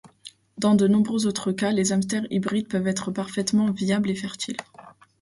Dans de nombreux autres cas, les hamsters hybrides peuvent être parfaitement viables et fertiles.